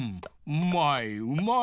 うまいうまい。